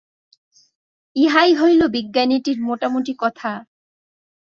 ইহাই হইল বিজ্ঞানটির মোটামুটি কথা।